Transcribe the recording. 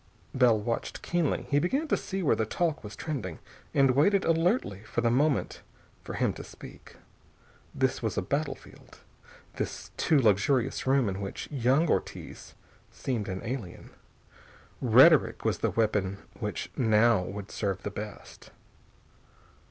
Bell watched keenly. He began to see where the talk was trending, and waited alertly for the moment for him to speak. This was a battlefield, this too luxurious room in which young Ortiz seemed an alien. Rhetoric was the weapon which now would serve the best.